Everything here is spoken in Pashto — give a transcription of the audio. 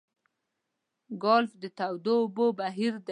ګلف د تودو اوبو بهیر دی.